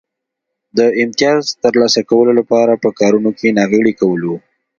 د امیتاز ترلاسه کولو لپاره په کارونو کې ناغېړي کول و